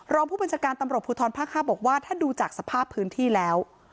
รองผู้บัญชาการตำรวจภูทรภาค๕บอกว่าถ้าดูจากสภาพพื้นที่แล้ว